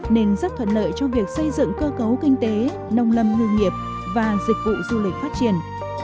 nên rất thuận lợi cho việc xây dựng cơ cấu kinh tế nông lâm ngư nghiệp và dịch vụ du lịch phát triển